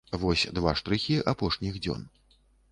Вось два штрыхі апошніх дзён.